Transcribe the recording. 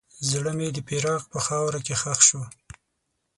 زړه مې د فراق په خاوره کې ښخ شو.